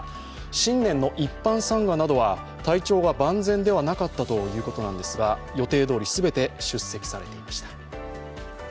新年の一般参賀などは体調が万全ではなかったということなんですが予定どおり全て出席されていました。